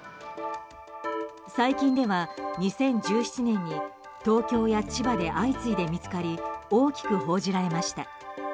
最近では２０１７年に東京や千葉で相次いで見つかり大きく報じられました。